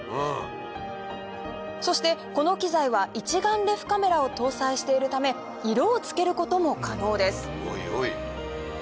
そしてこの機材は一眼レフカメラを搭載しているため色をつけることも可能です